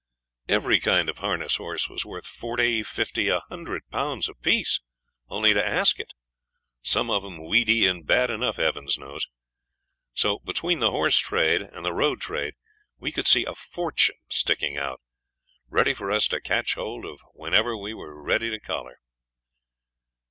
Every kind of harness horse was worth forty, fifty, a hundred pounds apiece, and only to ask it; some of 'em weedy and bad enough, Heaven knows. So between the horse trade and the road trade we could see a fortune sticking out, ready for us to catch hold of whenever we were ready to collar.